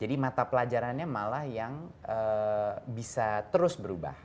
jadi mata pelajarannya malah yang bisa terus berubah